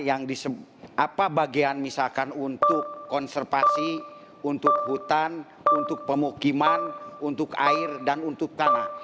apa bagian misalkan untuk konservasi untuk hutan untuk pemukiman untuk air dan untuk tanah